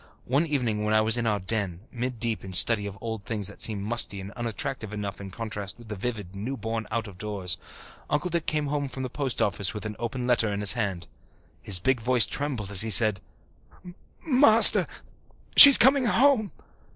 One evening when I was in our "den," mid deep in study of old things that seemed musty and unattractive enough in contrast with the vivid, newborn, out of doors, Uncle Dick came home from the post office with an open letter in his hand. His big voice trembled as he said, "Master, she's coming home.